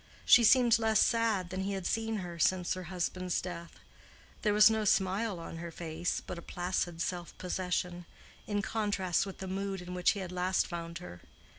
She seemed less sad than he had seen her since her husband's death; there was no smile on her face, but a placid self possession, in contrast with the mood in which he had last found her.